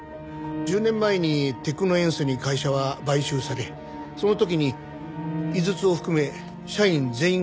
１０年前にテクノエンスに会社は買収されその時に井筒を含め社員全員が解雇されてます。